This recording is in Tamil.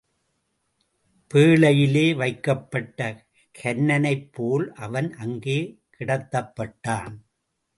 பேழையிலே வைக்கப்பட்ட கன்னனைப் போல் அவன் அங்கே கிடத்தப்பட்டான்.